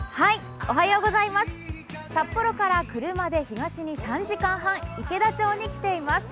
札幌から車で東に３時間半池田町に来ています。